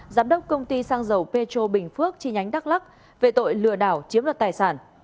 giám đốc công ty xăng dầu petro bình phước chi nhánh đắk lắc về tội lừa đảo chiếm đoạt tài sản